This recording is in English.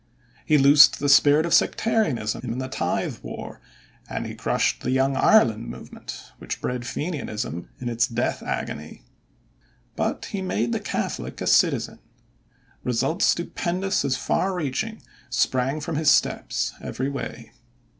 He loosed the spirit of sectarianism in the tithe war, and he crushed the Young Ireland movement, which bred Fenianism in its death agony. But he made the Catholic a citizen. Results stupendous as far reaching sprang from his steps every way.